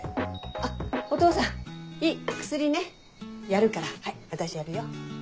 あっお父さんいい薬ねやるからはい私やるよ。